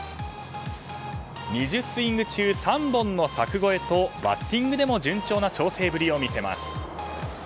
２０スイング中３本の柵越えとバッティングでも順調な調整ぶりを見せます。